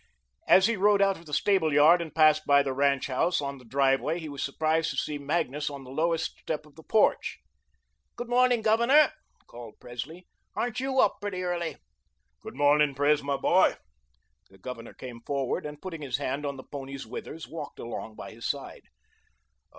As he rode out of the stable yard and passed by the ranch house, on the driveway, he was surprised to see Magnus on the lowest step of the porch. "Good morning, Governor," called Presley. "Aren't you up pretty early?" "Good morning, Pres, my boy." The Governor came forward and, putting his hand on the pony's withers, walked along by his side.